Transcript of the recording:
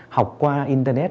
học qua internet